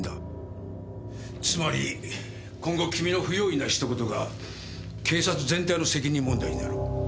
つまり今後君の不用意なひと言が警察全体の責任問題になる。